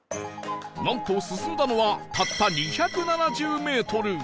なんと進んだのはたった２７０メートル